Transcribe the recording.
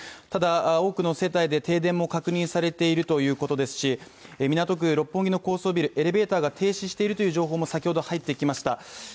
ただ多くの世帯で停電も確認されているということですし、港区六本木の高層ビル、エレベーターが停止しているという情報も先ほど入ってきました。